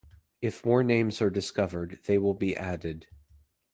If more names are discovered they will be added.